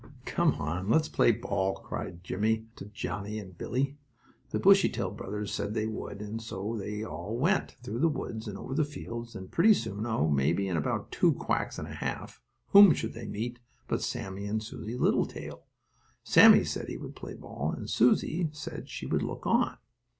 "Come on, let's play ball," called Jimmie to Johnnie and Billie. The Bushytail brothers said they would, and on they all went, through the woods and over the fields, and pretty soon, oh, maybe in about two quacks and a half, whom should they meet but Sammie and Susie Littletail. Sammie said he would play ball, and Susie said she would look on.